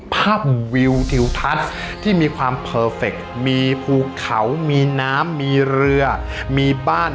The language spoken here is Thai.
วิวทิวทัศน์ที่มีความเพอร์เฟคมีภูเขามีน้ำมีเรือมีบ้าน